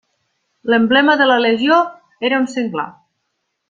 L'emblema de la legió era un senglar.